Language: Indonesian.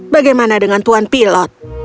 bagaimana dengan tuan pilot